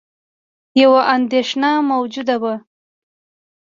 یوه اندېښنه موجوده وه